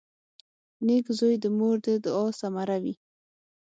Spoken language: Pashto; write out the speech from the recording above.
• نېک زوی د مور د دعا ثمره وي.